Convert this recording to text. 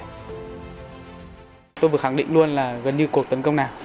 tôi vừa khẳng định luôn là gần như cuộc tấn công nào